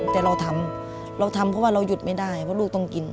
แต่เราทำเราทำเพราะว่าเราหยุดไม่ได้เพราะลูกต้องกิน